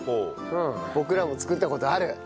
僕らも作った事ある。